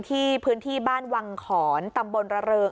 ที่พื้นที่บ้านวังขอนตำบลระเริง